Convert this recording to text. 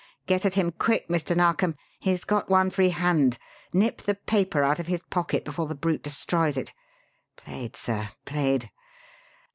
Get at him, quick, Mr. Narkom. He's got one free hand! Nip the paper out of his pocket before the brute destroys it! Played, sir, played!